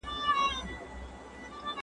دا کار داخلي سیاست ته خدمت کوي.